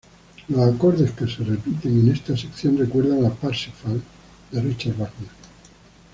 Los acordes que se repiten en esta sección recuerdan a "Parsifal" de Richard Wagner.